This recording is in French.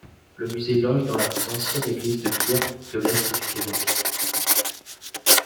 Le musée loge dans la plus ancienne église de pierre de l'Est du Québec.